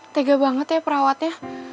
tega banget ya perawatnya